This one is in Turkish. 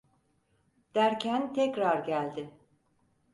Derken tekrar geldi...